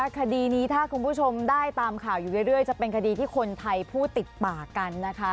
คดีนี้ถ้าคุณผู้ชมได้ตามข่าวอยู่เรื่อยจะเป็นคดีที่คนไทยพูดติดปากกันนะคะ